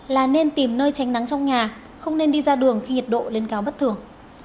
là nên tìm nơi tránh nắng trong nhà không nên đi ra đường khi nhiệt độ lên cao bất thường